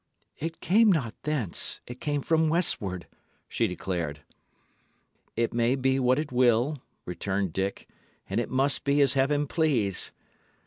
"It came not thence. It came from westward," she declared. "It may be what it will," returned Dick; "and it must be as heaven please.